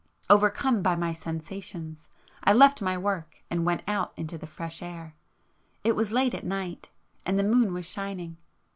Overcome by my sensations, I left my work and went out into the fresh air, ... it was late at night,—and the moon was shining.